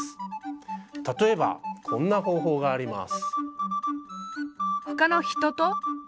例えばこんな方法があります。